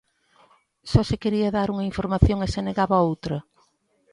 ¿Só se quería dar unha información e se negaba outra?